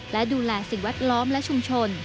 และดูแลสิ่งแวดล้อมและชุมชน